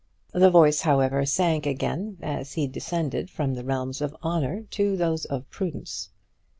The voice however, sank again as he descended from the realms of honour to those of prudence.